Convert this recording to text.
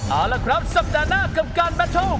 เอาละครับสัปดาห์หน้ากับการมาโชค